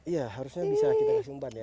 ya harusnya bisa kita kasih umpan ya